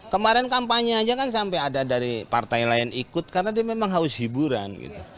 kemarin kampanye aja kan sampai ada dari partai lain ikut karena dia memang haus hiburan